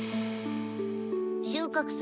収穫祭